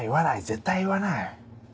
絶対言わない。